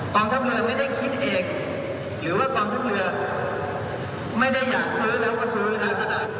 ทัพเรือไม่ได้คิดเองหรือว่ากองทัพเรือไม่ได้อยากซื้อแล้วก็ซื้อในลักษณะ